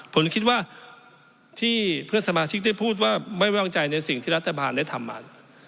ผมคิดว่าที่เพื่อนสมาชิกได้พูดว่าไม่ว่างใจในสิ่งที่รัฐบาลได้ทำมา